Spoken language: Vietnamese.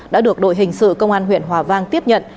đã được đội hình sự công an huyện hòa vang tiếp nhận